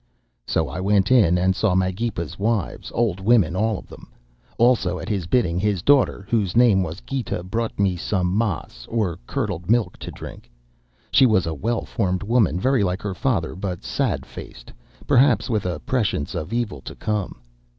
"So I went in and saw Magepa's wives, old women all of them. Also, at his bidding, his daughter, whose name was Gita, brought me some maas, or curdled milk, to drink. She was a well formed woman, very like her father, but sad faced, perhaps with a prescience of evil to come.